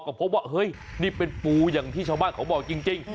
ก็พบว่าเฮ้ยนี่เป็นปูอย่างที่ชาวบ้านเขาบอกจริง